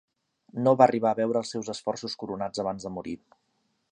No va arribar a veure els seus esforços coronats abans de morir.